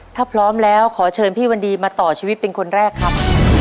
ถ้าพร้อมแล้วขอเชิญพี่วันดีมาต่อชีวิตเป็นคนแรกครับ